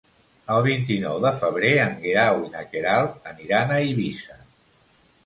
El vint-i-nou de febrer en Guerau i na Queralt aniran a Eivissa.